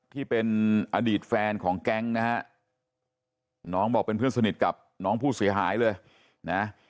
ที่เป็นอดีตแฟนของแก๊งนะฮะน้องบอกเป็นเพื่อนสนิทกับน้องผู้เสียหายเลยนะ